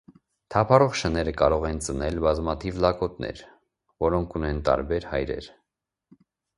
Թափառող շները կարող են ծնել բազմաթիվ լակոտներ, որոնք ունեն տարբեր հայրեր։